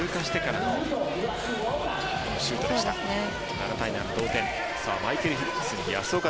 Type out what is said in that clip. ７対７同点。